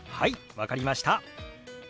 分かりました。